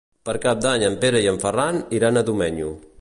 Per Cap d'Any en Pere i en Ferran iran a Domenyo.